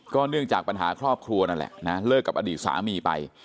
เนื่องจากปัญหาครอบครัวนั่นแหละนะเลิกกับอดีตสามีไป